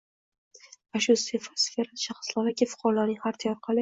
va bu sferada Chexoslovakiya fuqarolarining Xartiya orqali